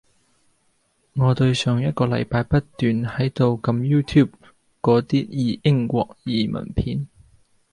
我對上一個禮拜不斷喺度撳 YouTube 嗰啲英國移民片